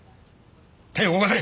手動かせ。